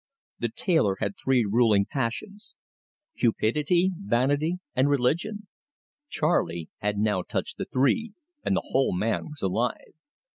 The tailor had three ruling passions cupidity, vanity, and religion. Charley had now touched the three, and the whole man was alive.